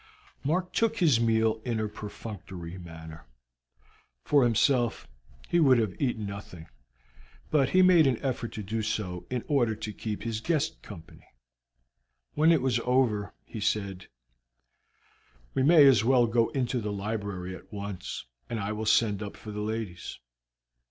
Mark took his meal in a perfunctory manner. For himself he would have eaten nothing, but he made an effort to do so in order to keep his guest company. When it was over he said: "We may as well go into the library at once, and I will send up for the ladies.